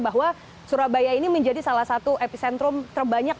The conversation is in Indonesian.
bahwa surabaya ini menjadi salah satu epicentrum terbanyak